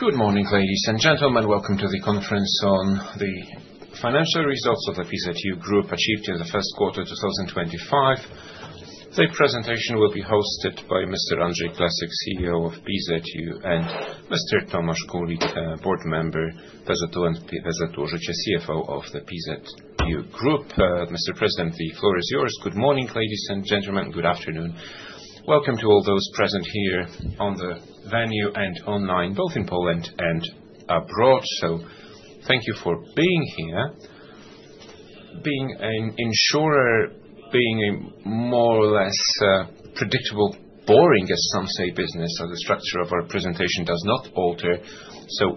Good morning, ladies and gentlemen. Welcome to the conference on the financial results of the PZU Group achieved in the first quarter 2025. The presentation will be hosted by Mr. Andrzej Klesyk, CEO of PZU, and Mr. Tomasz Kulik, board member, PZU and PZU SA, CFO of the PZU Group. Mr. President, the floor is yours. Good morning, ladies and gentlemen. Good afternoon. Welcome to all those present here on the venue and online, both in Poland and abroad. Thank you for being here. Being an insurer, being a more or less predictable, boring, as some say, business, the structure of our presentation does not alter.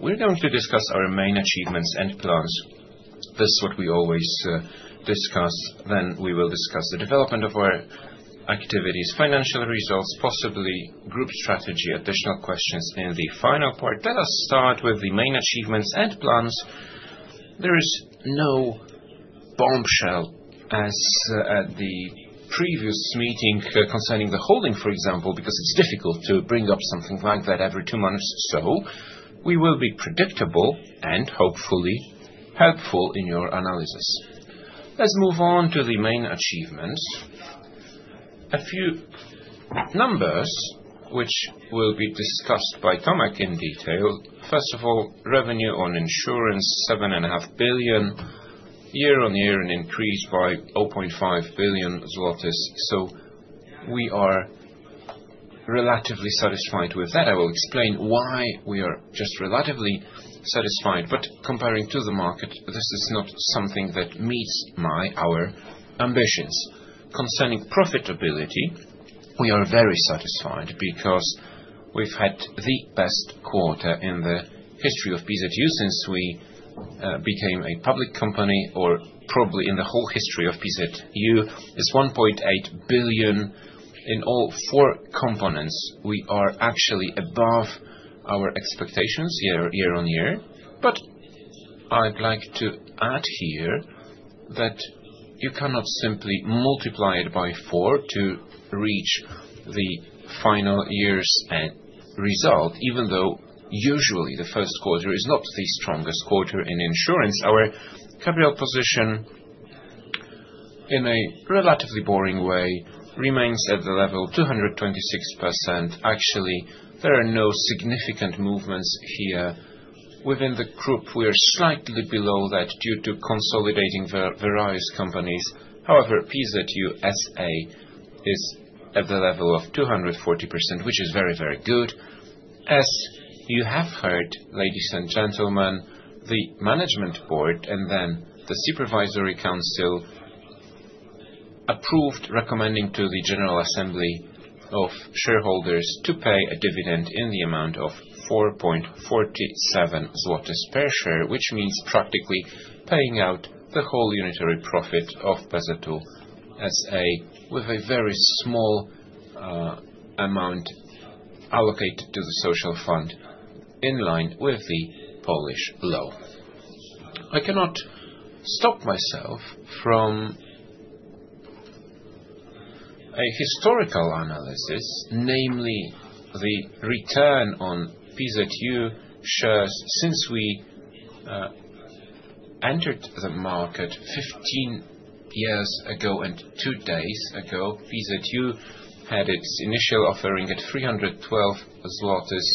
We are going to discuss our main achievements and plans. This is what we always discuss. Then we will discuss the development of our activities, financial results, possibly group strategy, additional questions in the final part. Let us start with the main achievements and plans. There is no bombshell, as at the previous meeting, concerning the holding, for example, because it's difficult to bring up something like that every two months. We will be predictable and hopefully helpful in your analysis. Let's move on to the main achievements. A few numbers, which will be discussed by Tomasz in detail. First of all, revenue on insurance, 7.5 billion, year-on-year an increase by 0.5 billion zlotys. We are relatively satisfied with that. I will explain why we are just relatively satisfied. Comparing to the market, this is not something that meets our ambitions. Concerning profitability, we are very satisfied because we've had the best quarter in the history of PZU since we became a public company, or probably in the whole history of PZU. It's 1.8 billion in all four components. We are actually above our expectations year-on-year. I would like to add here that you cannot simply multiply it by four to reach the final year's result, even though usually the first quarter is not the strongest quarter in insurance. Our capital position, in a relatively boring way, remains at the level of 226%. Actually, there are no significant movements here within the group. We are slightly below that due to consolidating various companies. However, PZU SA is at the level of 240%, which is very, very good. As you have heard, ladies and gentlemen, the Management Board and then the Supervisory Council approved, recommending to the General Assembly of shareholders to pay a dividend in the amount of 4.47 zlotys per share, which means practically paying out the whole unitary profit of PZU SA with a very small amount allocated to the social fund in line with the Polish law. I cannot stop myself from a historical analysis, namely the return on PZU shares since we entered the market 15 years ago and two days ago. PZU had its initial offering at 312 zlotys.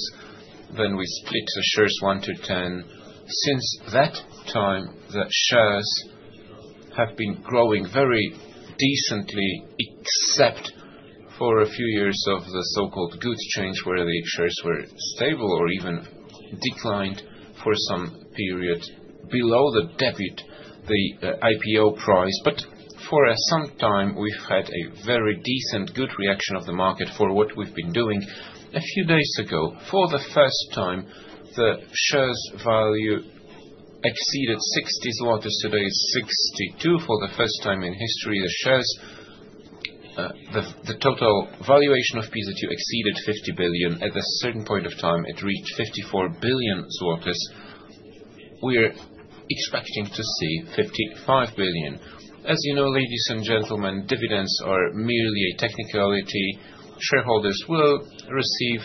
Then we split the shares 1 to 10. Since that time, the shares have been growing very decently, except for a few years of the so-called goods change, where the shares were stable or even declined for some period below the debut, the IPO price. For some time, we've had a very decent good reaction of the market for what we've been doing. A few days ago, for the first time, the shares' value exceeded 60 zlotys. Today is 62. For the first time in history, the shares, the total valuation of PZU exceeded 50 billion. At a certain point of time, it reached 54 billion zlotys. We're expecting to see 55 billion. As you know, ladies and gentlemen, dividends are merely a technicality. Shareholders will receive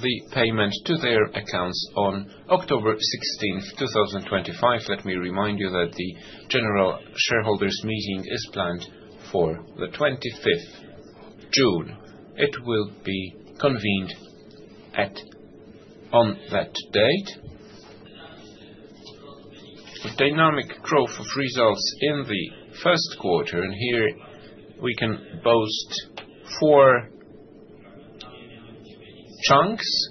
the payment to their accounts on October 16th, 2025. Let me remind you that the general shareholders' meeting is planned for the 25th of June. It will be convened on that date. Dynamic growth of results in the first quarter. Here we can boast four chunks,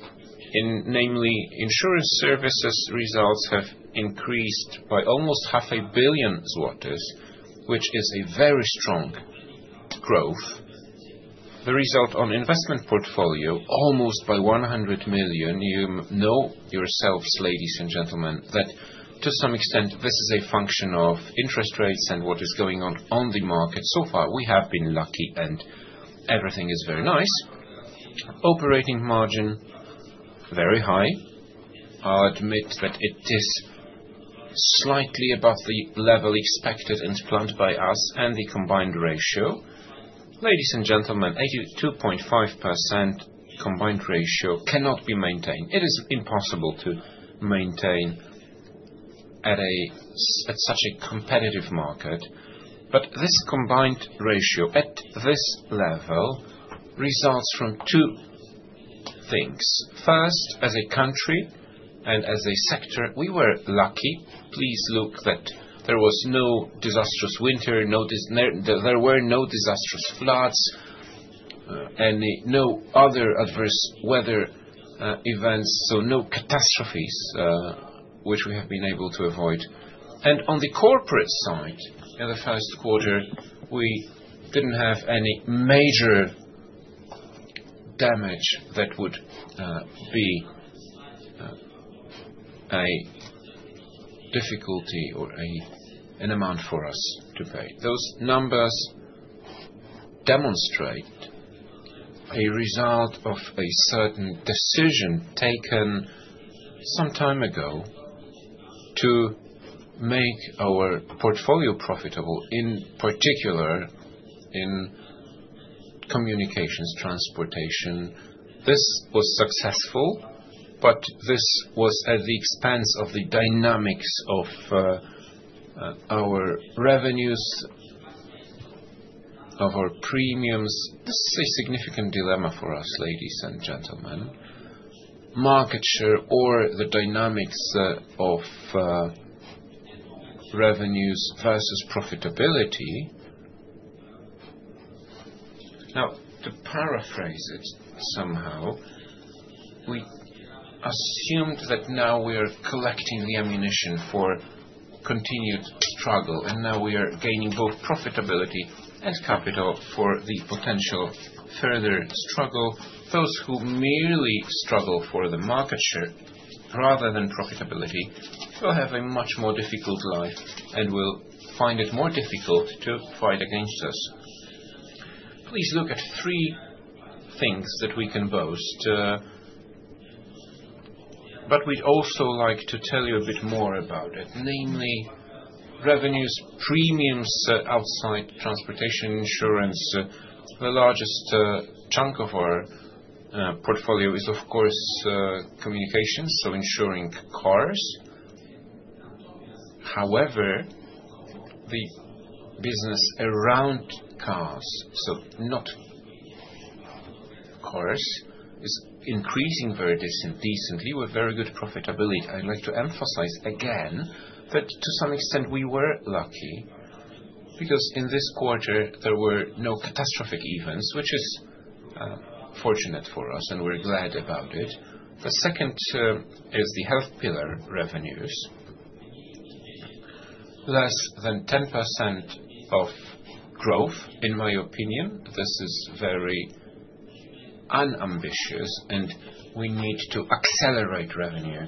namely, insurance services results have increased by almost 500,000,000 zlotys, which is a very strong growth. The result on investment portfolio, almost by 100 million. You know yourselves, ladies and gentlemen, that to some extent, this is a function of interest rates and what is going on on the market. So far, we have been lucky, and everything is very nice. Operating margin, very high. I'll admit that it is slightly above the level expected and planned by us, and the combined ratio. Ladies and gentlemen, 82.5% combined ratio cannot be maintained. It is impossible to maintain at such a competitive market. This combined ratio at this level results from two things. First, as a country and as a sector, we were lucky. Please look that there was no disastrous winter. There were no disastrous floods and no other adverse weather events. No catastrophes, which we have been able to avoid. On the corporate side, in the first quarter, we did not have any major damage that would be a difficulty or an amount for us to pay. Those numbers demonstrate a result of a certain decision taken some time ago to make our portfolio profitable, in particular in communications, transportation. This was successful, but this was at the expense of the dynamics of our revenues, of our premiums. This is a significant dilemma for us, ladies and gentlemen. Market share or the dynamics of revenues versus profitability. To paraphrase it somehow, we assumed that now we are collecting the ammunition for continued struggle, and now we are gaining both profitability and capital for the potential further struggle. Those who merely struggle for the market share rather than profitability will have a much more difficult life and will find it more difficult to fight against us. Please look at three things that we can boast. We would also like to tell you a bit more about it, namely, revenues, premiums outside transportation insurance. The largest chunk of our portfolio is, of course, communications, so insuring cars. However, the business around cars, so not cars, is increasing very decently with very good profitability. I would like to emphasize again that, to some extent, we were lucky because in this quarter, there were no catastrophic events, which is fortunate for us, and we are glad about it. The second is the health pillar revenues. Less than 10% of growth, in my opinion. This is very unambitious, and we need to accelerate revenue,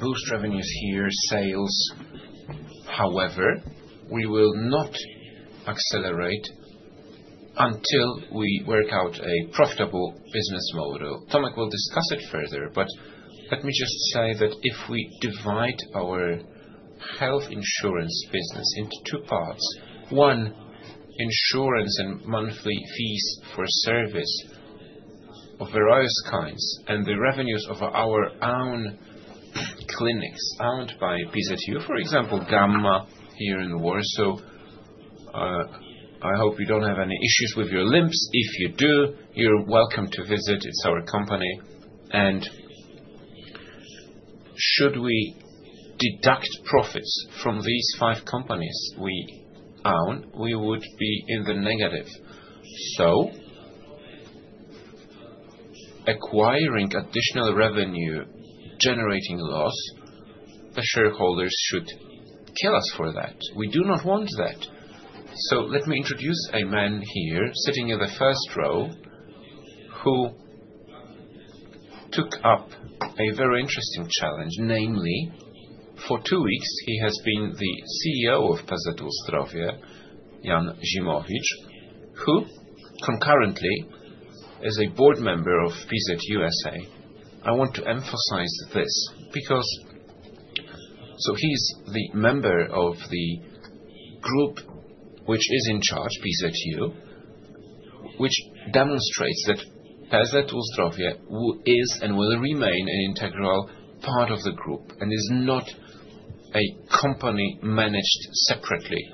boost revenues here, sales. However, we will not accelerate until we work out a profitable business model. Tomasz will discuss it further, but let me just say that if we divide our health insurance business into two parts, one, insurance and monthly fees for service of various kinds, and the revenues of our own clinics owned by PZU, for example, Gamma here in Warsaw. I hope you do not have any issues with your limbs. If you do, you are welcome to visit. It is our company. Should we deduct profits from these five companies we own, we would be in the negative. Acquiring additional revenue, generating loss, the shareholders should kill us for that. We do not want that. Let me introduce a man here sitting in the first row who took up a very interesting challenge, namely for two weeks, he has been the CEO of PZU Zdrowie, Jan Zimowicz, who concurrently is a board member of PZU SA. I want to emphasize this because he's the member of the group which is in charge, PZU, which demonstrates that PZU Zdrowie is and will remain an integral part of the group and is not a company managed separately.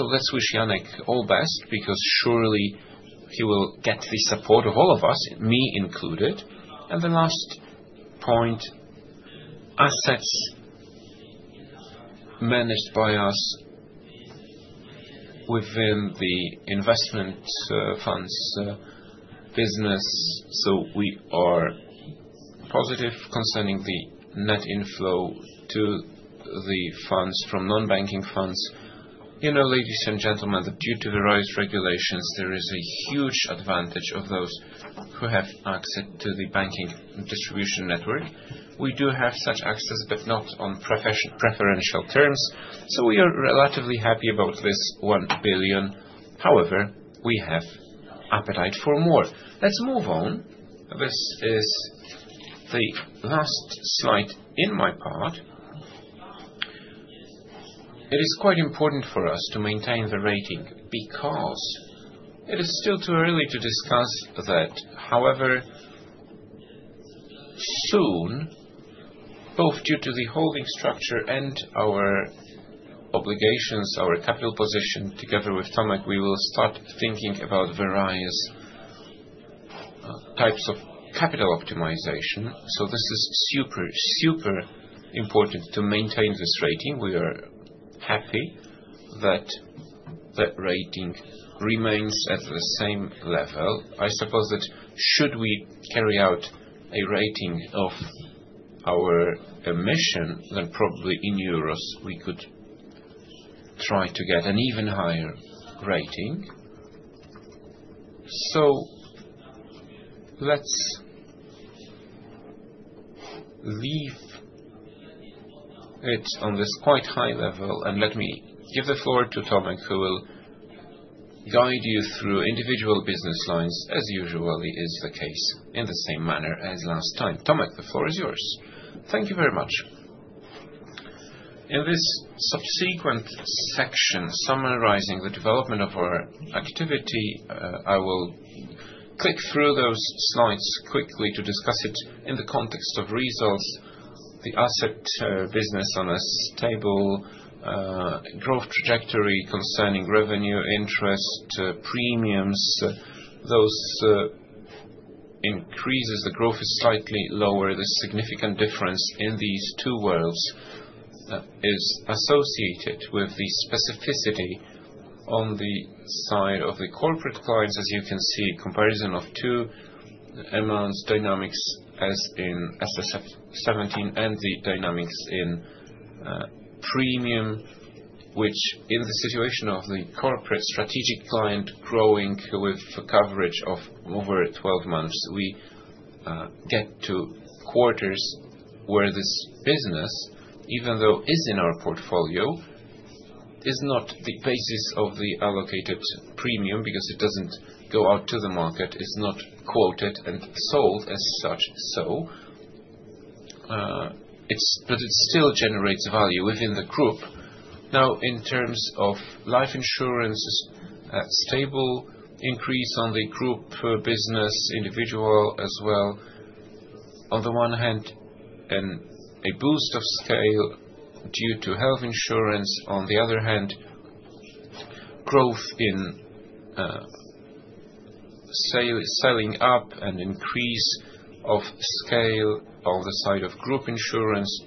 Let's wish Janek all best because surely he will get the support of all of us, me included. The last point, assets managed by us within the investment funds business. We are positive concerning the net inflow to the funds from non-banking funds. Ladies and gentlemen, due to various regulations, there is a huge advantage of those who have access to the banking distribution network. We do have such access, but not on preferential terms. We are relatively happy about this 1 billion. However, we have appetite for more. Let's move on. This is the last slide in my part. It is quite important for us to maintain the rating because it is still too early to discuss that. However, soon, both due to the holding structure and our obligations, our capital position together with Tomasz, we will start thinking about various types of capital optimization. This is super, super important to maintain this rating. We are happy that the rating remains at the same level. I suppose that should we carry out a rating of our emission, then probably in euros, we could try to get an even higher rating. Let's leave it on this quite high level, and let me give the floor to Tomasz, who will guide you through individual business lines, as usually is the case in the same manner as last time. Tomasz, the floor is yours. Thank you very much. In this subsequent section, summarizing the development of our activity, I will click through those slides quickly to discuss it in the context of results, the asset business on this table, growth trajectory concerning revenue, interest, premiums. Those increases, the growth is slightly lower. The significant difference in these two worlds is associated with the specificity on the side of the corporate clients, as you can see, comparison of two amounts, dynamics as in IFRS 17 and the dynamics in premium, which in the situation of the corporate strategic client growing with coverage of over 12 months, we get to quarters where this business, even though it is in our portfolio, is not the basis of the allocated premium because it does not go out to the market, is not quoted and sold as such. It still generates value within the group. Now, in terms of life insurance, stable increase on the group business, individual as well. On the one hand, a boost of scale due to health insurance. On the other hand, growth in selling up and increase of scale on the side of group insurance,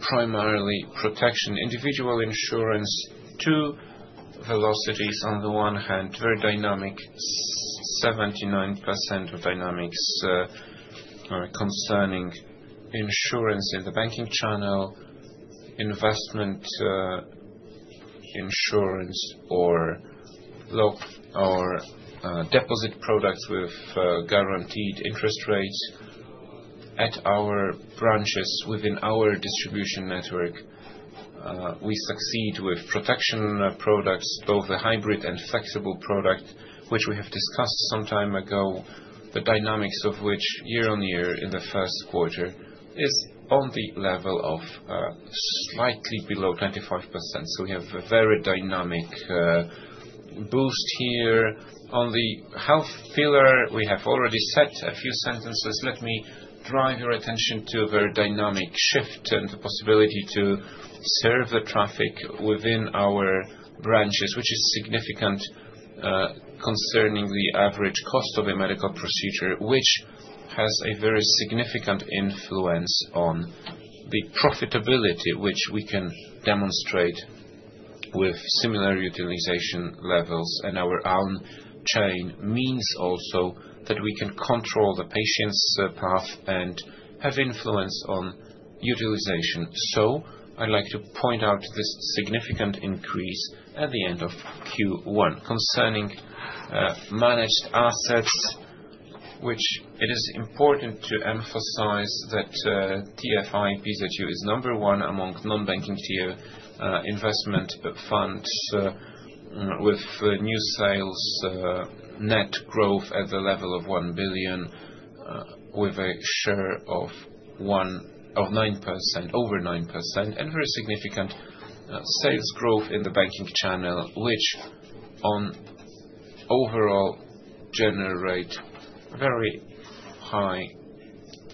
primarily protection, individual insurance, two velocities on the one hand, very dynamic, 79% of dynamics concerning insurance in the banking channel, investment insurance or deposit products with guaranteed interest rates at our branches within our distribution network. We succeed with protection products, both the hybrid and flexible product, which we have discussed some time ago, the dynamics of which year-on-year in the first quarter is on the level of slightly below 25%. We have a very dynamic boost here. On the health pillar, we have already said a few sentences. Let me drive your attention to a very dynamic shift and the possibility to serve the traffic within our branches, which is significant concerning the average cost of a medical procedure, which has a very significant influence on the profitability, which we can demonstrate with similar utilization levels. Our own chain means also that we can control the patient's path and have influence on utilization. I would like to point out this significant increase at the end of Q1 concerning managed assets, which it is important to emphasize that TFI PZU is number one among non-banking tier investment funds with new sales net growth at the level of 1 billion with a share of 9%, over 9%, and very significant sales growth in the banking channel, which overall generate very high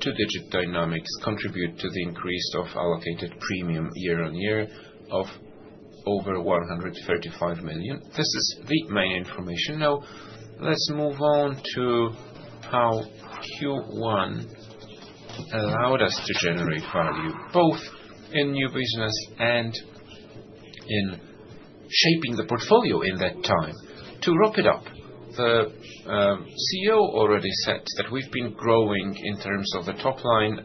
two-digit dynamics, contribute to the increase of allocated premium year-on-year of over 135 million. This is the main information. Now, let's move on to how Q1 allowed us to generate value, both in new business and in shaping the portfolio in that time. To wrap it up, the CEO already said that we've been growing in terms of the top-line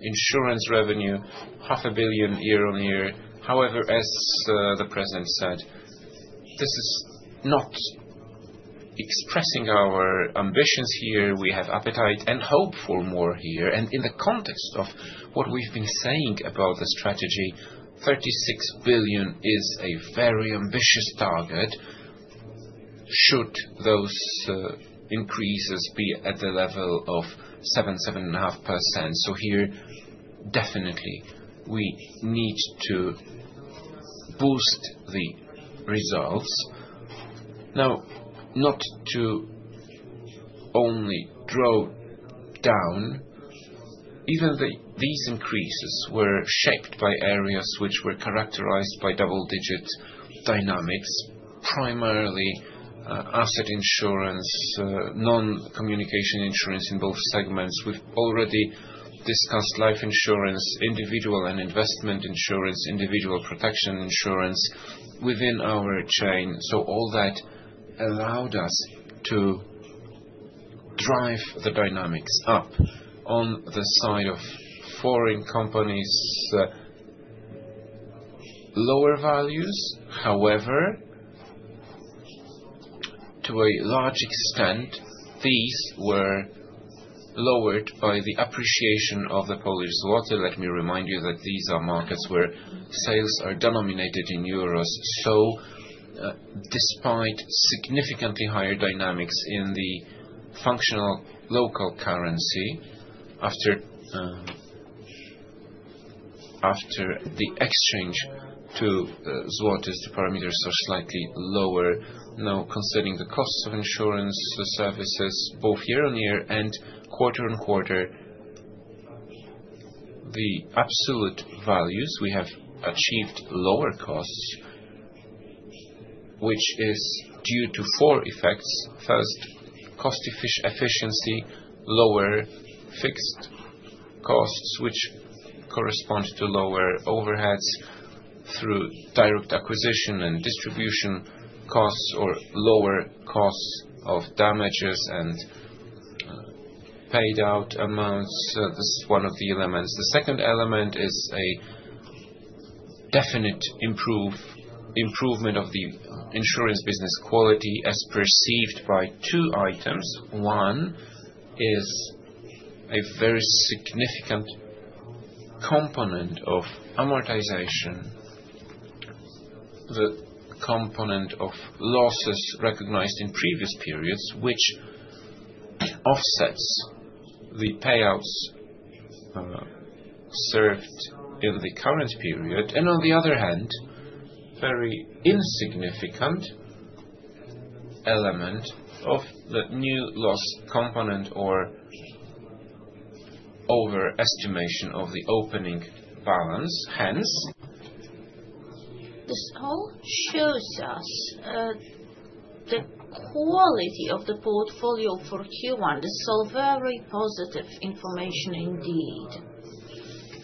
insurance revenue, 500,000,000 year-on-year. However, as the President said, this is not expressing our ambitions here. We have appetite and hope for more here. In the context of what we've been saying about the strategy, 36 billion is a very ambitious target. Should those increases be at the level of 7%-7.5%? Here, definitely, we need to boost the results. Not to only draw down, even these increases were shaped by areas which were characterized by double-digit dynamics, primarily asset insurance, non-communication insurance in both segments. We've already discussed life insurance, individual and investment insurance, individual protection insurance within our chain. All that allowed us to drive the dynamics up on the side of foreign companies, lower values. However, to a large extent, these were lowered by the appreciation of the Polish złoty. Let me remind you that these are markets where sales are denominated in euros. Despite significantly higher dynamics in the functional local currency, after the exchange to złoty, the parameters are slightly lower. Now, considering the costs of insurance services, both year-on-year and quarter-on-quarter, the absolute values, we have achieved lower costs, which is due to four effects. First, cost efficiency, lower fixed costs, which correspond to lower overheads through direct acquisition and distribution costs, or lower costs of damages and paid-out amounts. This is one of the elements. The second element is a definite improvement of the insurance business quality as perceived by two items. One is a very significant component of amortization, the component of losses recognized in previous periods, which offsets the payouts served in the current period. On the other hand, very insignificant element of the new loss component or overestimation of the opening balance. Hence. This all shows us the quality of the portfolio for Q1. This is all very positive information indeed.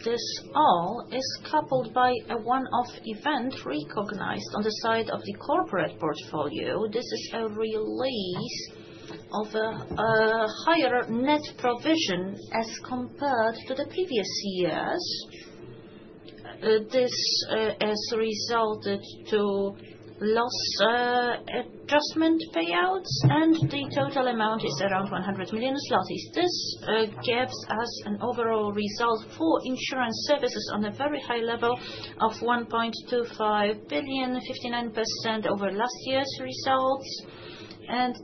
This all is coupled by a one-off event recognized on the side of the corporate portfolio. This is a release of a higher net provision as compared to the previous years. This has resulted in loss adjustment payouts, and the total amount is around 100 million zlotys. This gives us an overall result for insurance services on a very high level of 1.25 billion, 59% over last year's results.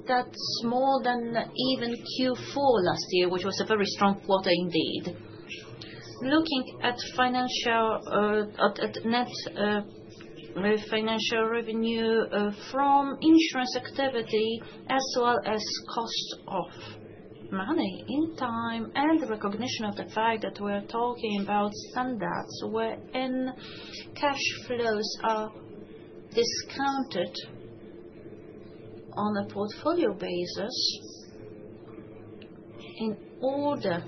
That's more than even Q4 last year, which was a very strong quarter indeed. Looking at net financial revenue from insurance activity as well as cost of money in time and recognition of the fact that we're talking about standards, wherein cash flows are discounted on a portfolio basis in order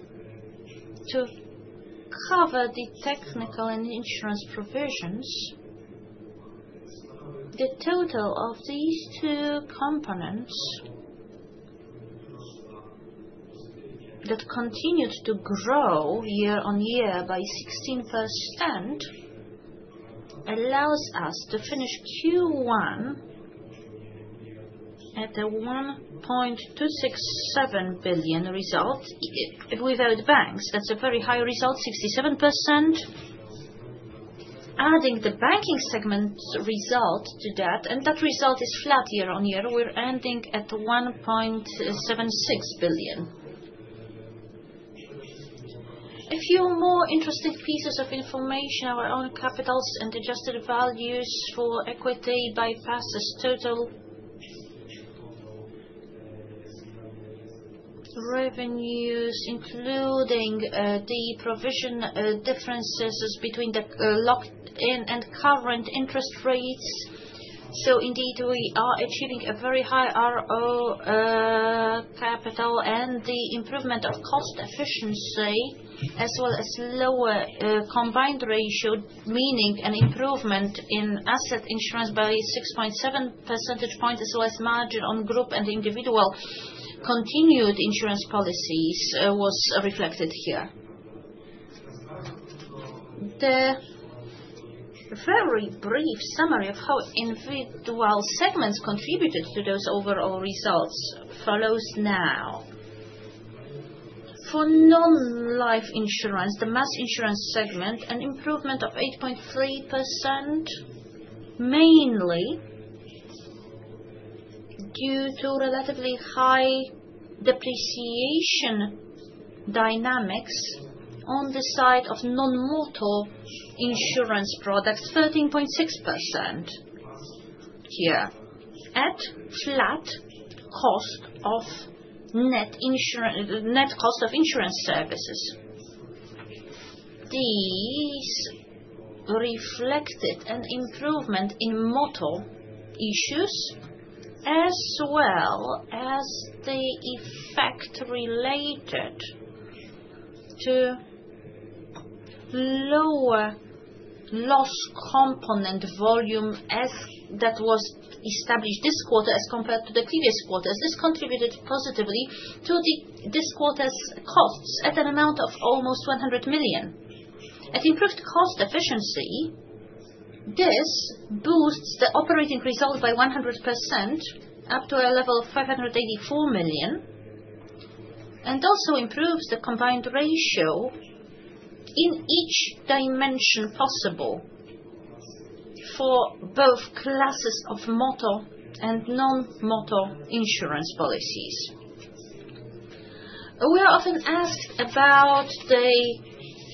to cover the technical and insurance provisions, the total of these two components that continued to grow year-on-year by 16% allows us to finish Q1 at a PLN 1.267 billion result without banks. That's a very high result, 67%. Adding the banking segment result to that, and that result is flat year-on-year, we're ending at PLN 1.76 billion. A few more interesting pieces of information: our own capitals and adjusted values for equity bypasses total revenues, including the provision differences between the locked-in and current interest rates. Indeed, we are achieving a very high ROE capital and the improvement of cost efficiency, as well as lower combined ratio, meaning an improvement in asset insurance by 6.7 percentage points, as well as margin on group and individual continued insurance policies was reflected here. The very brief summary of how individual segments contributed to those overall results follows now. For non-life insurance, the mass insurance segment, an improvement of 8.3%, mainly due to relatively high depreciation dynamics on the side of non-motor insurance products, 13.6% here at flat cost of net cost of insurance services. These reflected an improvement in motor issues, as well as the effect related to lower loss component volume that was established this quarter, as compared to the previous quarters. This contributed positively to this quarter's costs at an amount of almost 100 million. At improved cost efficiency, this boosts the operating result by 100% up to a level of 584 million and also improves the combined ratio in each dimension possible for both classes of motor and non-motor insurance policies. We are often asked about the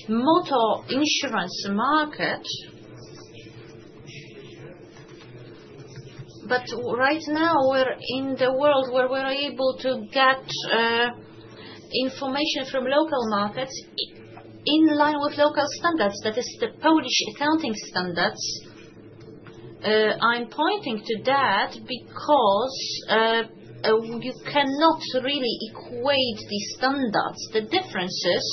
motor insurance market, but right now, we're in the world where we're able to get information from local markets in line with local standards. That is the Polish accounting standards. I'm pointing to that because you cannot really equate the standards. The differences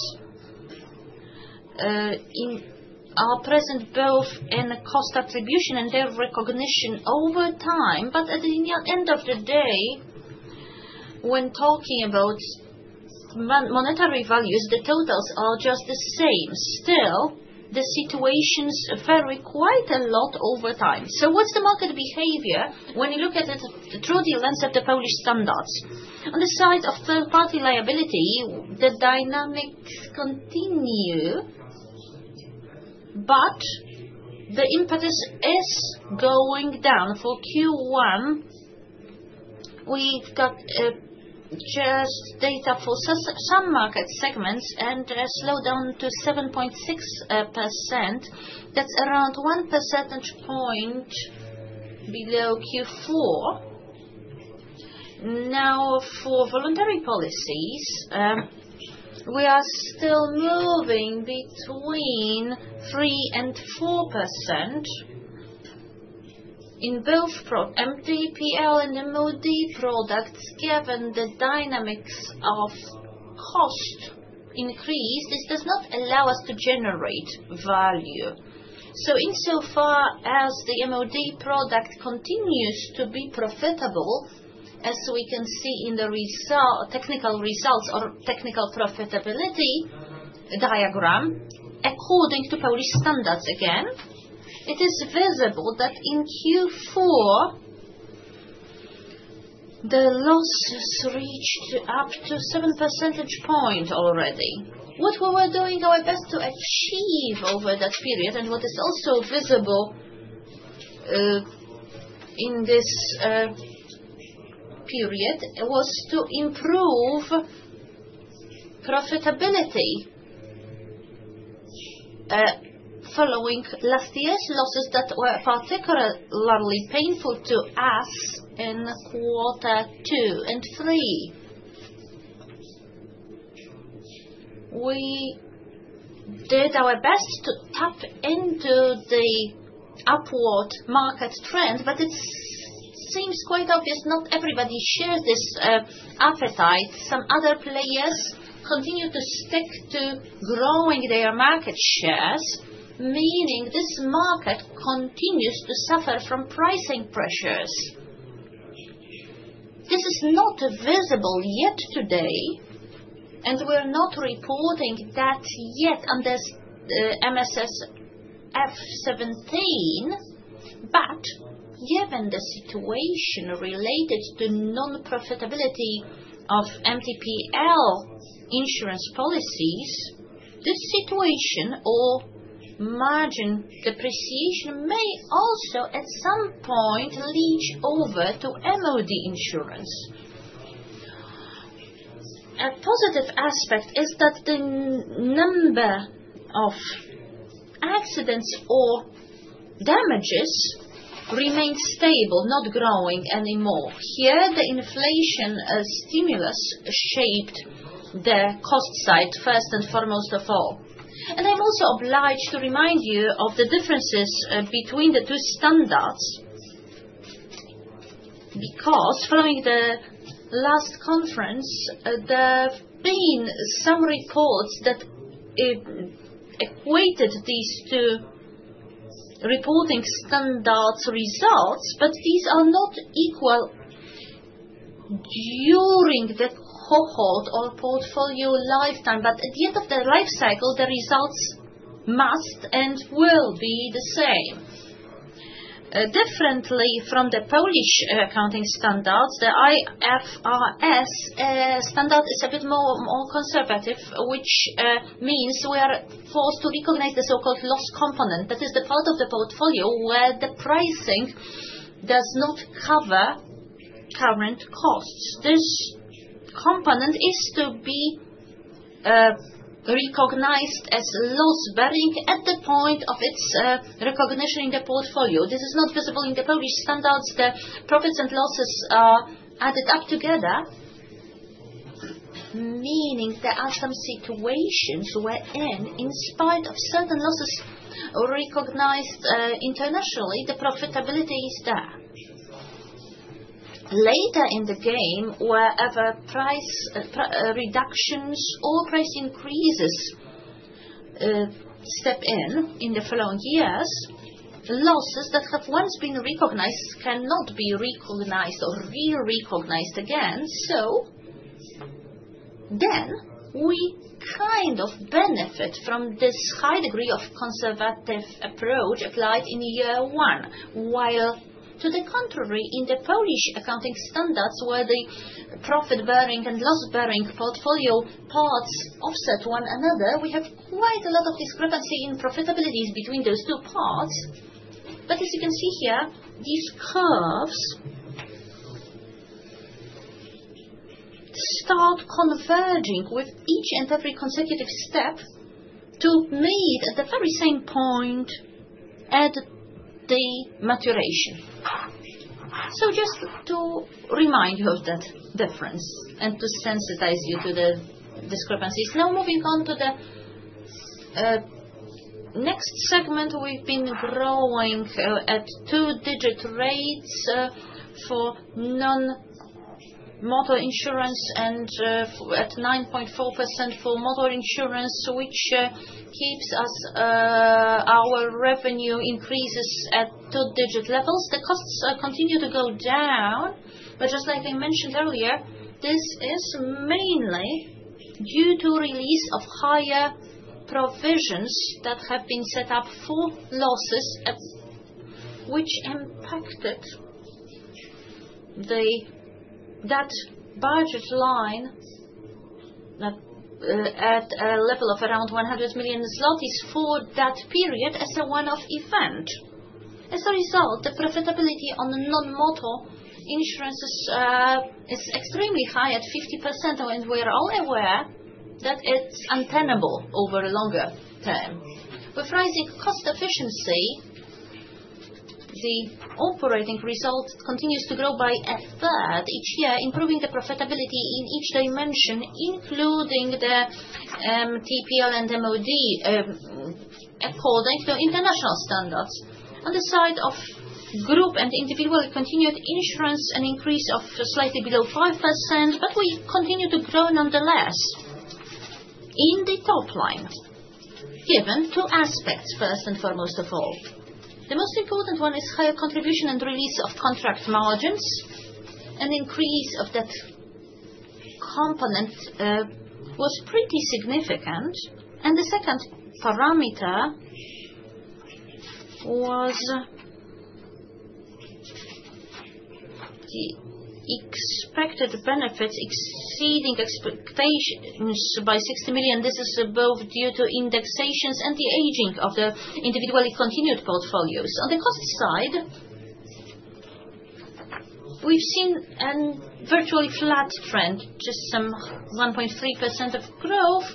are present both in cost attribution and their recognition over time. At the end of the day, when talking about monetary values, the totals are just the same. Still, the situation's varied quite a lot over time. What's the market behavior when you look at it through the lens of the Polish standards? On the side of third-party liability, the dynamics continue, but the impetus is going down. For Q1, we've got just data for some market segments and a slowdown to 7.6%. That's around 1 percentage point below Q4. Now, for voluntary policies, we are still moving between 3% and 4% in both MDPL and MOD products. Given the dynamics of cost increase, this does not allow us to generate value. Insofar as the MOD product continues to be profitable, as we can see in the technical results or technical profitability diagram according to Polish standards, again, it is visible that in Q4, the losses reached up to 7 percentage points already. What we were doing our best to achieve over that period, and what is also visible in this period, was to improve profitability following last year's losses that were particularly painful to us in quarter two and three. We did our best to tap into the upward market trend, but it seems quite obvious not everybody shares this appetite. Some other players continue to stick to growing their market shares, meaning this market continues to suffer from pricing pressures. This is not visible yet today, and we're not reporting that yet under MSS 17. Given the situation related to non-profitability of MDPL insurance policies, this situation or margin depreciation may also at some point leak over to MOD insurance. A positive aspect is that the number of accidents or damages remains stable, not growing anymore. Here, the inflation stimulus shaped the cost side first and foremost of all. I'm also obliged to remind you of the differences between the two standards because following the last conference, there have been some reports that equated these two reporting standards' results, but these are not equal during the whole portfolio lifetime. At the end of the life cycle, the results must and will be the same. Differently from the Polish accounting standards, the IFRS standard is a bit more conservative, which means we are forced to recognize the so-called loss component. That is the part of the portfolio where the pricing does not cover current costs. This component is to be recognized as loss-bearing at the point of its recognition in the portfolio. This is not visible in the Polish standards. The profits and losses are added up together, meaning there are some situations wherein, in spite of certain losses recognized internationally, the profitability is there. Later in the game, wherever price reductions or price increases step in in the following years, losses that have once been recognized cannot be recognized or re-recognized again. We kind of benefit from this high degree of conservative approach applied in year one. To the contrary, in the Polish accounting standards, where the profit-bearing and loss-bearing portfolio parts offset one another, we have quite a lot of discrepancy in profitabilities between those two parts. As you can see here, these curves start converging with each and every consecutive step to meet at the very same point at the maturation. Just to remind you of that difference and to sensitize you to the discrepancies. Now, moving on to the next segment, we've been growing at two-digit rates for non-motor insurance and at 9.4% for motor insurance, which keeps our revenue increases at two-digit levels. The costs continue to go down, but just like I mentioned earlier, this is mainly due to the release of higher provisions that have been set up for losses, which impacted that budget line at a level of around 100 million zlotys for that period as a one-off event. As a result, the profitability on non-motor insurance is extremely high at 50%, and we are all aware that it's untenable over a longer term. With rising cost efficiency, the operating result continues to grow by a third each year, improving the profitability in each dimension, including the MDPL and MOD, according to international standards. On the side of group and individual, it continued insurance and increased slightly below 5%, but we continue to grow nonetheless in the top line, given two aspects, first and foremost of all. The most important one is higher contribution and release of contract margins. An increase of that component was pretty significant. The second parameter was the expected benefits exceeding expectations by 60 million. This is both due to indexations and the aging of the individually continued portfolios. On the cost side, we've seen a virtually flat trend, just some 1.3% of growth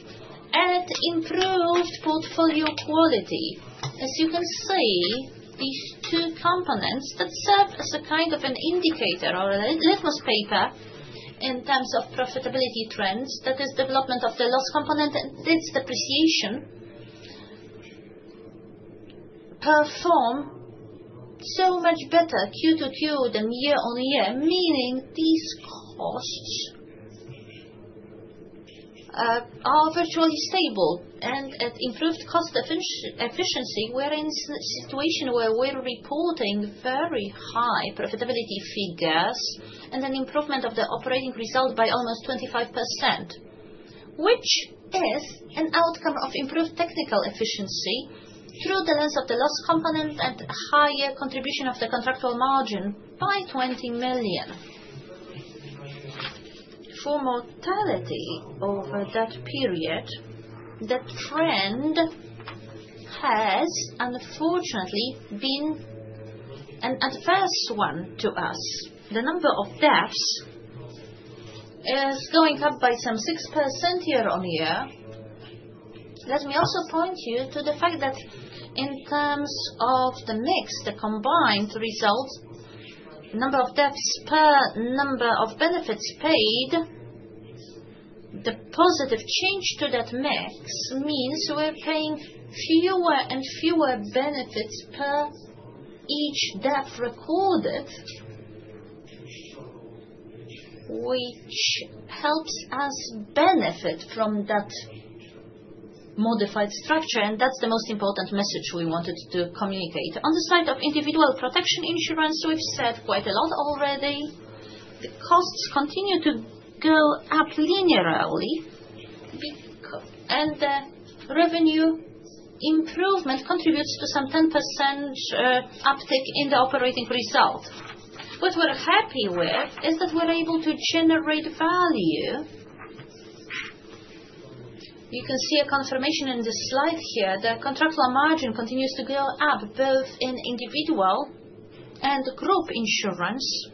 and improved portfolio quality. As you can see, these two components that serve as a kind of an indicator or a litmus paper in terms of profitability trends, that is, development of the loss component and its depreciation, perform so much better Q to Q than year-on-year, meaning these costs are virtually stable. At improved cost efficiency, we're in a situation where we're reporting very high profitability figures and an improvement of the operating result by almost 25%, which is an outcome of improved technical efficiency through the lens of the loss component and higher contribution of the contractual margin by 20 million. For mortality over that period, the trend has, unfortunately, been an adverse one to us. The number of deaths is going up by some 6% year-on-year. Let me also point you to the fact that, in terms of the mix, the combined result, number of deaths per number of benefits paid, the positive change to that mix means we're paying fewer and fewer benefits per each death recorded, which helps us benefit from that modified structure. That's the most important message we wanted to communicate. On the side of individual protection insurance, we've said quite a lot already. The costs continue to go up linearly, and the revenue improvement contributes to some 10% uptick in the operating result. What we're happy with is that we're able to generate value. You can see a confirmation in this slide here. The contractual margin continues to go up both in individual and group insurance,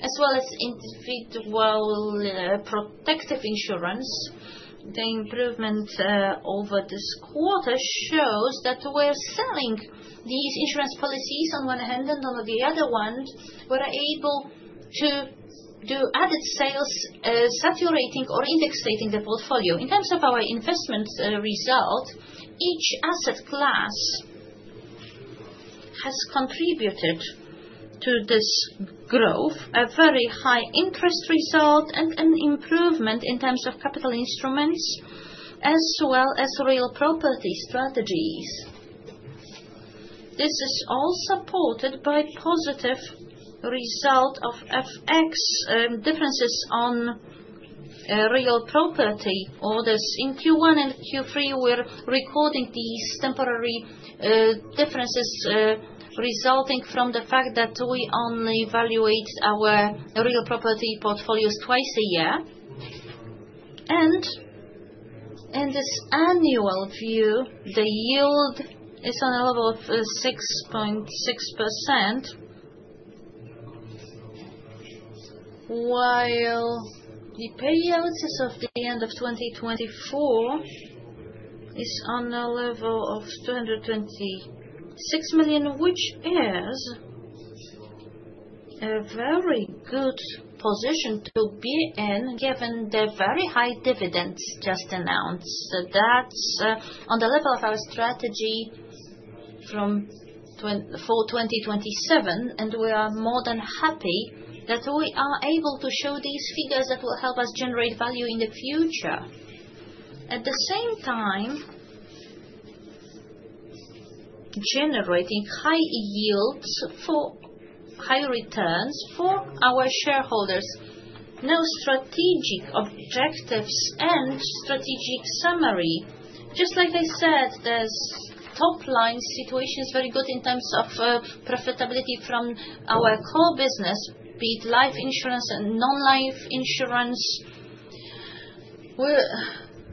as well as individual protection insurance. The improvement over this quarter shows that we're selling these insurance policies on one hand, and on the other one, we're able to do added sales, saturating, or indexating the portfolio. In terms of our investment result, each asset class has contributed to this growth: a very high interest result and an improvement in terms of capital instruments, as well as real property strategies. This is all supported by positive result of FX differences on real property orders. In Q1 and Q3, we're recording these temporary differences resulting from the fact that we only evaluate our real property portfolios twice a year. In this annual view, the yield is on a level of 6.6%, while the payouts at the end of 2024 are on a level of 226 million, which is a very good position to be in, given the very high dividends just announced. That is on the level of our strategy for 2027, and we are more than happy that we are able to show these figures that will help us generate value in the future. At the same time, generating high yields for high returns for our shareholders. Now, strategic objectives and strategic summary. Just like I said, the top-line situation is very good in terms of profitability from our core business, be it life insurance and non-life insurance.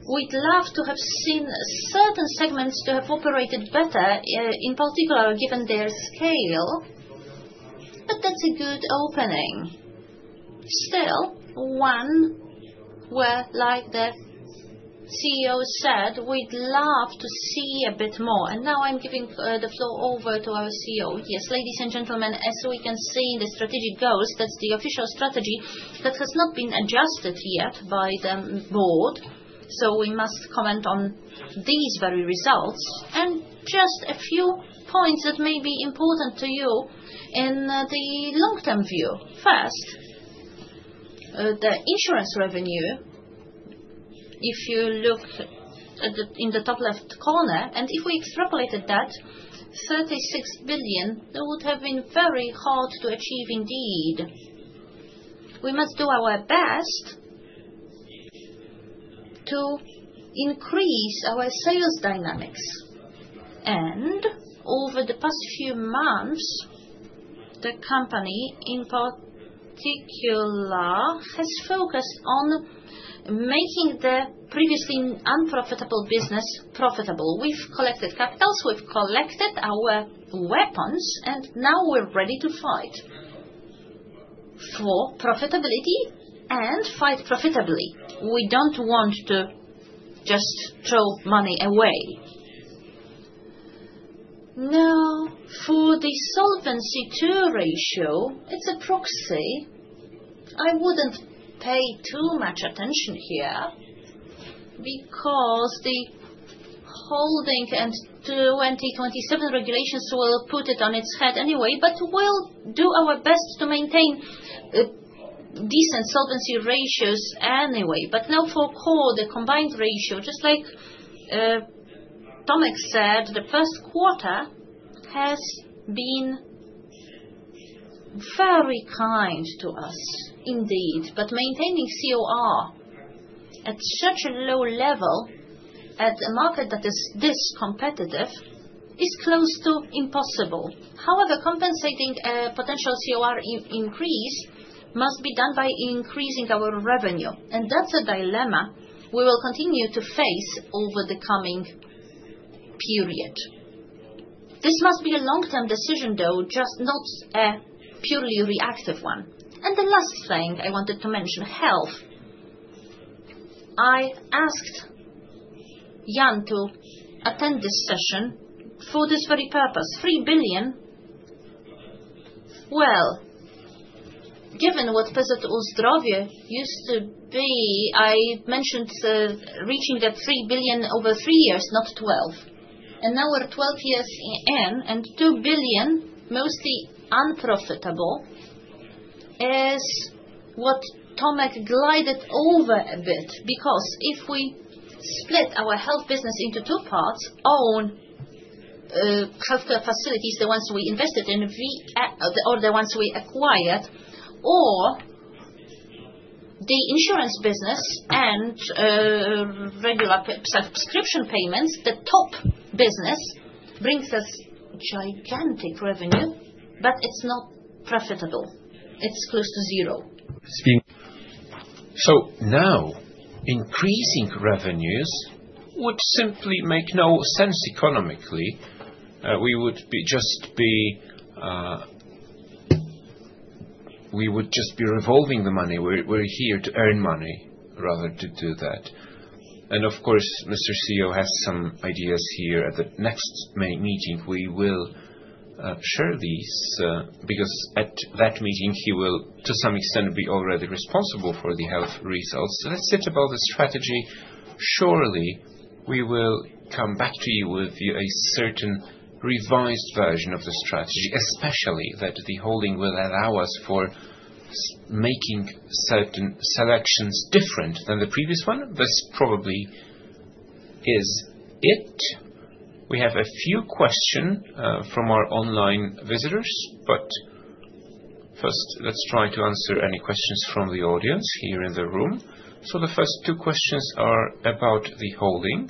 We'd love to have seen certain segments to have operated better, in particular given their scale, but that's a good opening. Still, one, like the CEO said, we'd love to see a bit more. Now I'm giving the floor over to our CEO. Yes, ladies and gentlemen, as we can see in the strategic goals, that's the official strategy that has not been adjusted yet by the board, so we must comment on these very results. Just a few points that may be important to you in the long-term view. First, the insurance revenue, if you look in the top left corner, and if we extrapolated that, 36 billion, that would have been very hard to achieve indeed. We must do our best to increase our sales dynamics. Over the past few months, the company, in particular, has focused on making the previously unprofitable business profitable. We've collected capitals, we've collected our weapons, and now we're ready to fight for profitability and fight profitably. We don't want to just throw money away. Now, for the Solvency II ratio, it's a proxy. I wouldn't pay too much attention here because the holding and 2027 regulations will put it on its head anyway, but we'll do our best to maintain decent Solvency ratios anyway. Now, for core, the combined ratio, just like Tomasz said, the first quarter has been very kind to us indeed, but maintaining COR at such a low level at a market that is this competitive is close to impossible. However, compensating a potential COR increase must be done by increasing our revenue, and that's a dilemma we will continue to face over the coming period. This must be a long-term decision, though, just not a purely reactive one. The last thing I wanted to mention, health. I asked Jan to attend this session for this very purpose, 3 billion. Given what PZU Zdrowie used to be, I mentioned reaching that 3 billion over three years, not twelve. Now we are twelve years in, and 2 billion, mostly unprofitable, is what Tomasz glided over a bit because if we split our health business into two parts, own healthcare facilities, the ones we invested in or the ones we acquired, or the insurance business and regular subscription payments, the top business brings us gigantic revenue, but it is not profitable. It is close to zero. Increasing revenues would simply make no sense economically. We would just be revolving the money. We are here to earn money rather than to do that. Of course, Mr. CEO has some ideas here. At the next meeting, we will share these because at that meeting, he will, to some extent, be already responsible for the health results. Let's sit about the strategy. Surely, we will come back to you with a certain revised version of the strategy, especially that the holding will allow us for making certain selections different than the previous one. This probably is it. We have a few questions from our online visitors, but first, let's try to answer any questions from the audience here in the room. The first two questions are about the holding.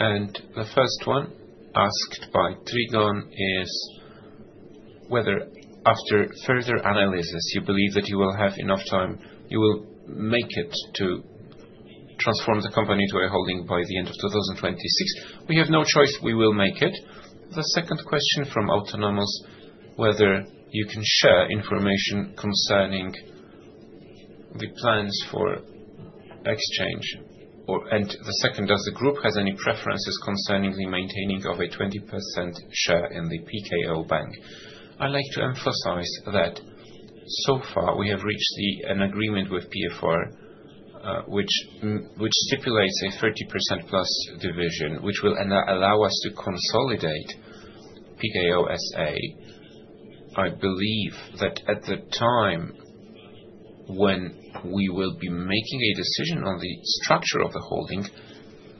The first one asked by Trigon is whether, after further analysis, you believe that you will have enough time, you will make it to transform the company to a holding by the end of 2026. We have no choice. We will make it. The second question from Autonomous, whether you can share information concerning the plans for exchange. The second, does the group have any preferences concerning the maintaining of a 20% share in PKO Bank? I'd like to emphasize that so far, we have reached an agreement with PFR, which stipulates a 30% plus division, which will allow us to consolidate PKO SA. I believe that at the time when we will be making a decision on the structure of the holding,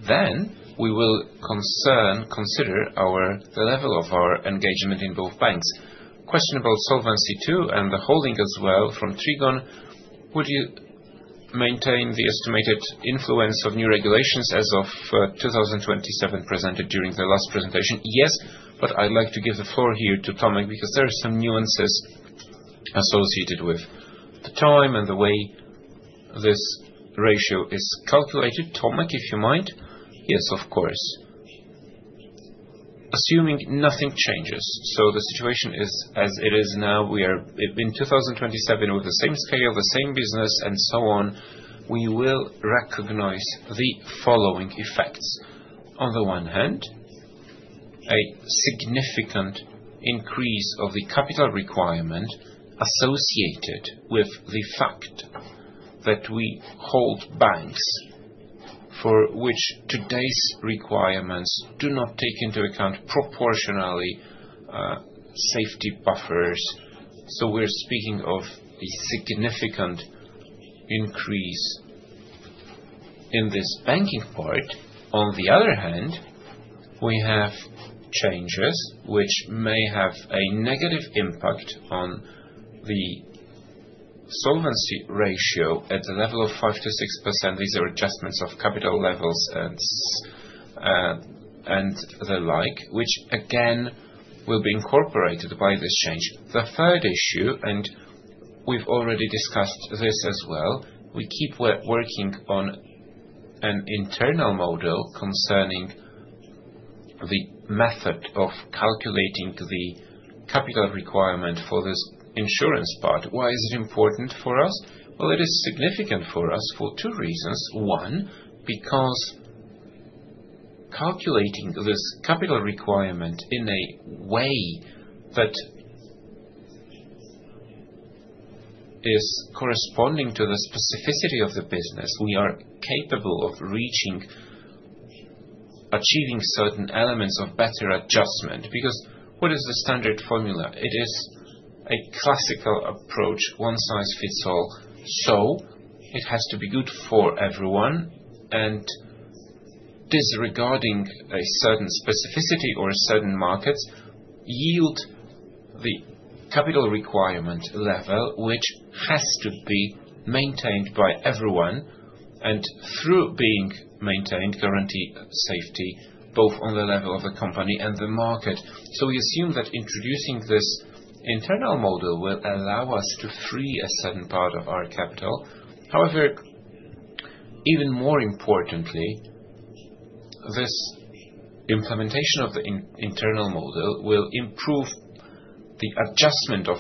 then we will consider the level of our engagement in both banks. Question about Solvency too and the holding as well from Trigon. Would you maintain the estimated influence of new regulations as of 2027 presented during the last presentation? Yes, but I'd like to give the floor here to Tomasz because there are some nuances associated with the time and the way this ratio is calculated. Tomasz, if you mind? Yes, of course. Assuming nothing changes, so the situation is as it is now, we are in 2027 with the same scale, the same business, and so on, we will recognize the following effects. On the one hand, a significant increase of the capital requirement associated with the fact that we hold banks for which today's requirements do not take into account proportionally safety buffers. So we're speaking of a significant increase in this banking part. On the other hand, we have changes which may have a negative impact on the Solvency ratio at the level of 5-6%. These are adjustments of capital levels and the like, which again will be incorporated by this change. The third issue, and we've already discussed this as well, we keep working on an internal model concerning the method of calculating the capital requirement for this insurance part. Why is it important for us? It is significant for us for two reasons. One, because calculating this capital requirement in a way that is corresponding to the specificity of the business, we are capable of achieving certain elements of better adjustment. What is the standard formula? It is a classical approach, one-size-fits-all. It has to be good for everyone. Disregarding a certain specificity or a certain market yields the capital requirement level, which has to be maintained by everyone. Through being maintained, it guarantees safety both on the level of the company and the market. We assume that introducing this internal model will allow us to free a certain part of our capital. However, even more importantly, this implementation of the internal model will improve the adjustment of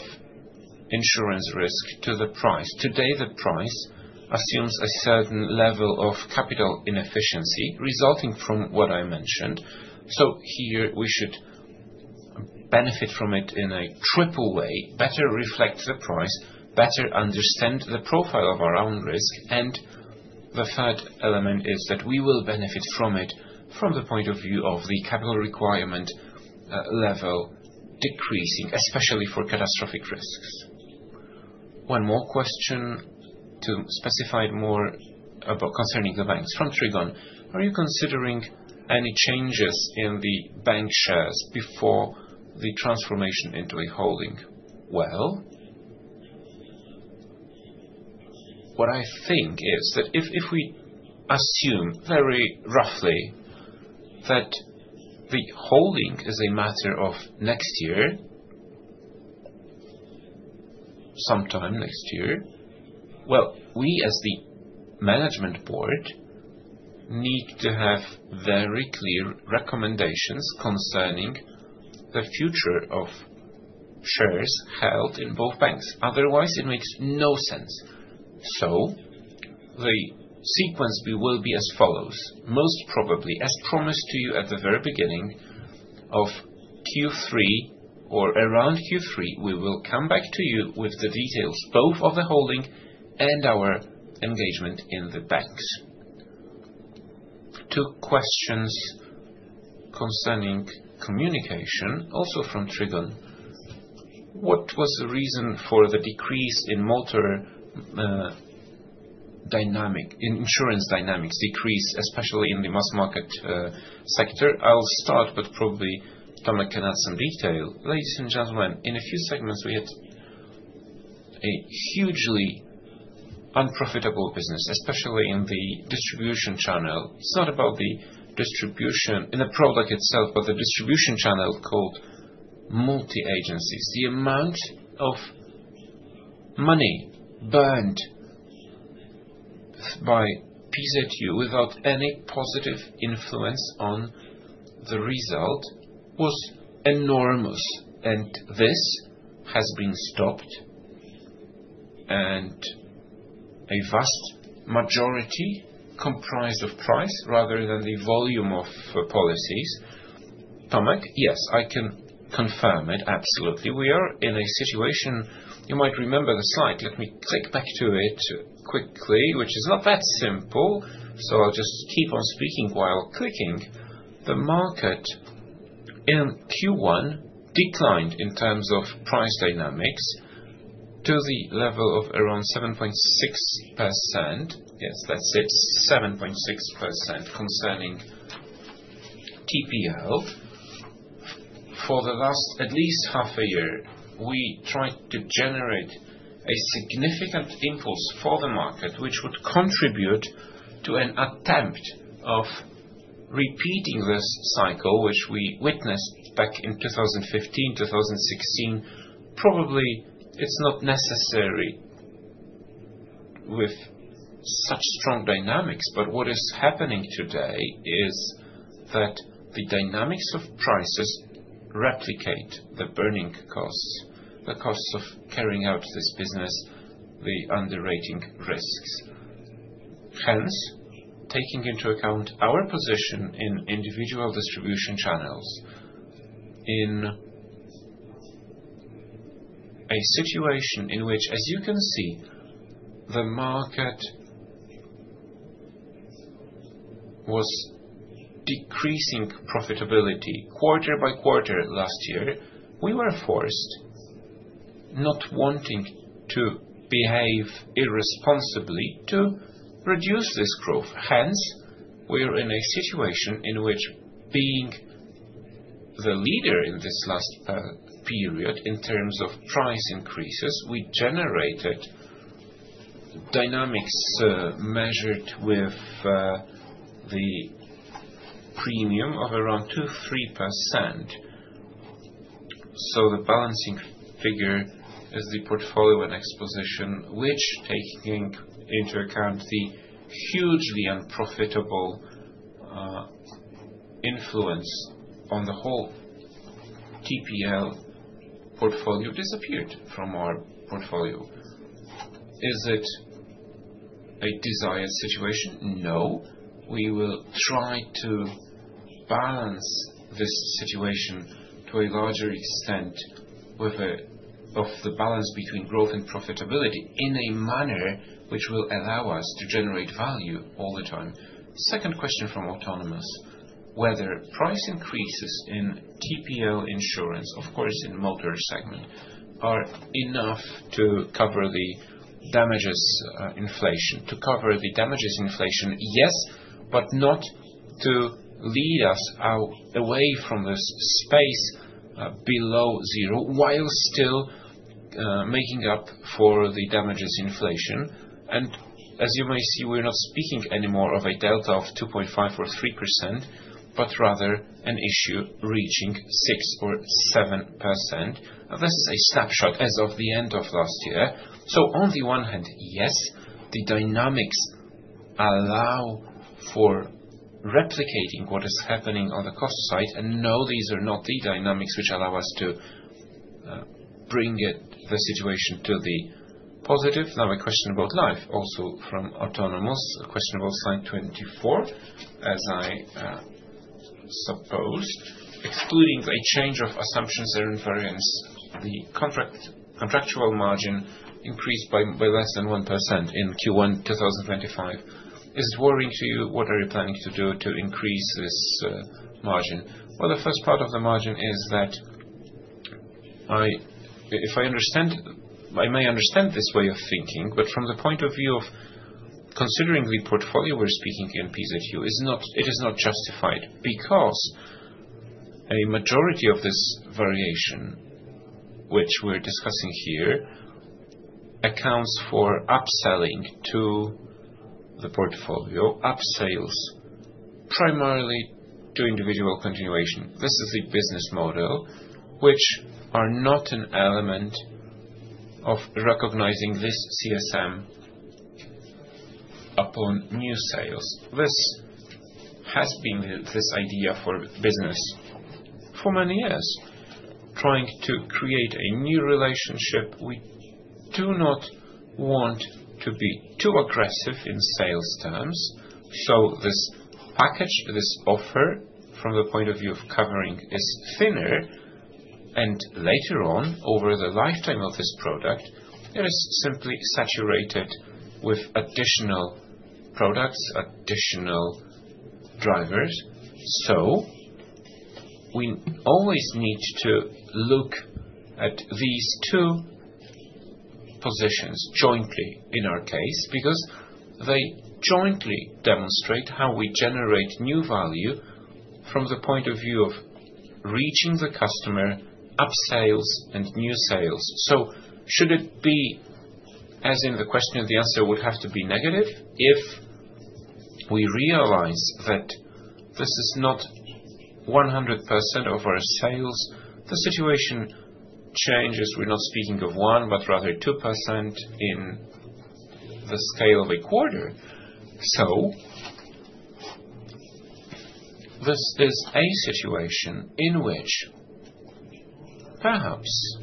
insurance risk to the price. Today, the price assumes a certain level of capital inefficiency resulting from what I mentioned. Here, we should benefit from it in a triple way: better reflect the price, better understand the profile of our own risk. The third element is that we will benefit from it from the point of view of the capital requirement level decreasing, especially for catastrophic risks. One more question to specify more concerning the banks from Trigon. Are you considering any changes in the bank shares before the transformation into a holding? I think that if we assume very roughly that the holding is a matter of next year, sometime next year, we as the management board, need to have very clear recommendations concerning the future of shares held in both banks. Otherwise, it makes no sense. The sequence will be as follows. Most probably, as promised to you at the very beginning of Q3 or around Q3, we will come back to you with the details both of the holding and our engagement in the banks. Two questions concerning communication, also from Trigon. What was the reason for the decrease in insurance dynamics decrease, especially in the mass market sector? I'll start, but probably Tomasz can add some detail. Ladies and gentlemen, in a few segments, we had a hugely unprofitable business, especially in the distribution channel. It's not about the distribution in the product itself, but the distribution channel, called multi-agencies. The amount of money burned by PZU without any positive influence on the result was enormous. This has been stopped. A vast majority comprised of price rather than the volume of policies. Tomasz, yes, I can confirm it. Absolutely. We are in a situation you might remember the slide. Let me click back to it quickly, which is not that simple. I'll just keep on speaking while clicking. The market in Q1 declined in terms of price dynamics to the level of around 7.6%. Yes, that's it. 7.6% concerning TPO. For the last at least half a year, we tried to generate a significant impulse for the market, which would contribute to an attempt of repeating this cycle, which we witnessed back in 2015, 2016. Probably, it's not necessary with such strong dynamics, but what is happening today is that the dynamics of prices replicate the burning costs, the costs of carrying out this business, the underrating risks. Hence, taking into account our position in individual distribution channels in a situation in which, as you can see, the market was decreasing profitability quarter by quarter last year, we were forced, not wanting to behave irresponsibly, to reduce this growth. Hence, we are in a situation in which, being the leader in this last period in terms of price increases, we generated dynamics measured with the premium of around 2-3%. The balancing figure is the portfolio and exposition, which, taking into account the hugely unprofitable influence on the whole TPL portfolio, disappeared from our portfolio. Is it a desired situation? No. We will try to balance this situation to a larger extent of the balance between growth and profitability, in a manner which will allow us to generate value all the time. Second question from Autonomous, whether price increases in TPL insurance, of course, in motor segment, are enough to cover the damages inflation? To cover the damages inflation, yes, but not to lead us away from this space below zero, while still making up for the damages inflation. As you may see, we're not speaking anymore of a delta of 2.5% or 3%, but rather an issue reaching 6% or 7%. This is a snapshot as of the end of last year. On the one hand, yes, the dynamics allow for replicating what is happening on the cost side. No, these are not the dynamics which allow us to bring the situation to the positive. Now, a question about life, also from Autonomous, a question about slide 24, as I suppose. Excluding a change of assumptions and invariance, the contractual margin increased by less than 1% in Q1 2025. Is it worrying to you? What are you planning to do to increase this margin? The first part of the margin is that, if I understand, I may understand this way of thinking, but from the point of view of considering the portfolio we're speaking in PZU, it is not justified because a majority of this variation, which we're discussing here, accounts for upselling to the portfolio, upsales primarily to individual continuation. This is a business model which is not an element of recognizing this CSM upon new sales. This has been this idea for business for many years, trying to create a new relationship. We do not want to be too aggressive in sales terms. This package, this offer, from the point of view of covering, is thinner. Later on, over the lifetime of this product, it is simply saturated with additional products, additional drivers. We always need to look at these two positions jointly in our case because they jointly demonstrate how we generate new value from the point of view of reaching the customer, upsales, and new sales. Should it be, as in the question, the answer would have to be negative. If we realize that this is not 100% of our sales, the situation changes. We are not speaking of 1%, but rather 2% in the scale of a quarter. This is a situation in which perhaps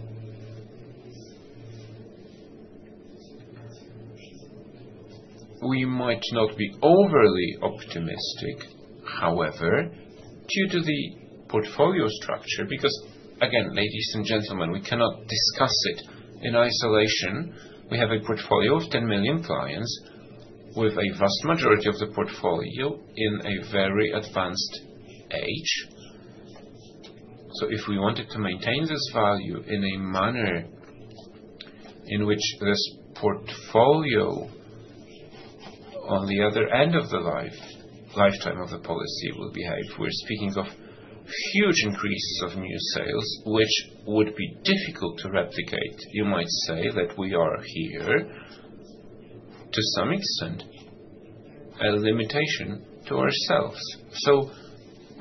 we might not be overly optimistic, However, due to the portfolio structure, because, again, ladies and gentlemen, we cannot discuss it in isolation. We have a portfolio of 10 million clients, with a vast majority of the portfolio in a very advanced age. If we wanted to maintain this value in a manner in which this portfolio, on the other end of the lifetime of the policy, will behave, we are speaking of huge increases of new sales, which would be difficult to replicate. You might say that we are here, to some extent, a limitation to ourselves.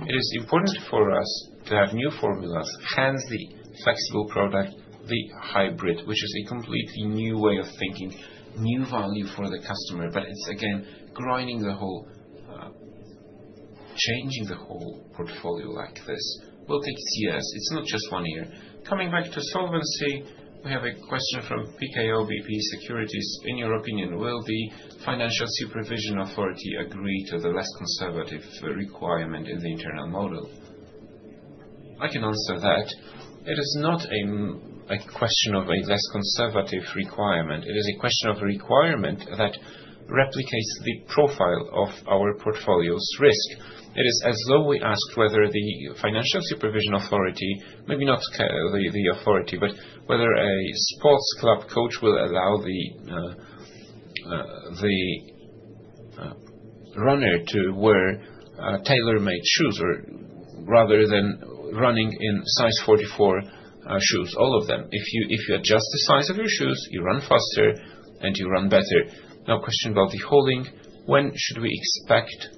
It is important for us to have new formulas, hence the flexible product, the hybrid, which is a completely new way of thinking, new value for the customer. It is, again, changing the whole portfolio like this. We will take CSM. It is not just one year. Coming back to Solvency, we have a question from PKO BP Securities. In your opinion, will the financial supervision authority agree to the less conservative requirement in the internal model? I can answer that. It is not a question of a less conservative requirement. It is a question of a requirement that replicates the profile of our portfolio's risk. It is as though we asked whether the financial supervision authority, maybe not the authority, but whether a sports club coach will allow the runner to wear tailor-made shoes rather than running in size 44 shoes. All of them. If you adjust the size of your shoes, you run faster, and you run better. Now, a question about the holding. When should we expect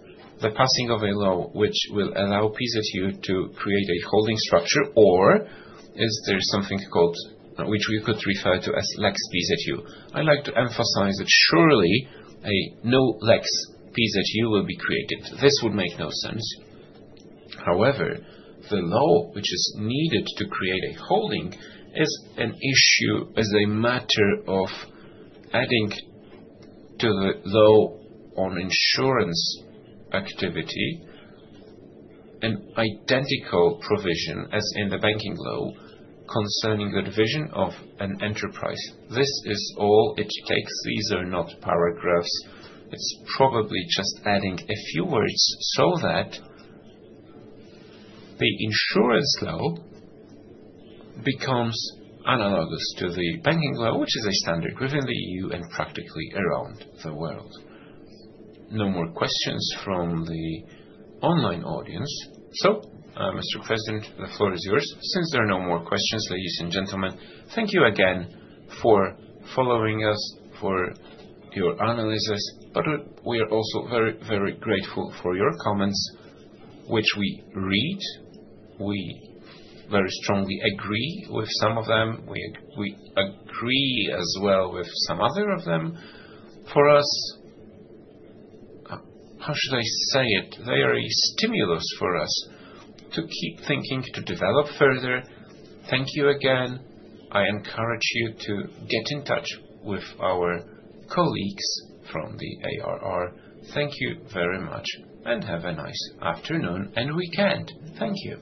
the passing of a law which will allow PZU to create a holding structure, or is there something called which we could refer to as Lex PZU? I'd like to emphasize that surely a no-Lex PZU will be created. This would make no sense. However, the law which is needed to create a holding is an issue as a matter of adding to the law on insurance activity an identical provision as in the banking law concerning the division of an enterprise. This is all it takes. These are not paragraphs. It's probably just adding a few words so that the insurance law becomes analogous to the banking law, which is a standard within the EU and practically around the world. No more questions from the online audience. Mr. President, the floor is yours. Since there are no more questions, ladies and gentlemen, thank you again for following us, for your analysis. We are also very, very grateful for your comments, which we read. We very strongly agree with some of them. We agree as well with some other of them. For us, how should I say it? They are a stimulus for us to keep thinking, to develop further. Thank you again. I encourage you to get in touch with our colleagues from the ARR. Thank you very much, and have a nice afternoon and weekend. Thank you.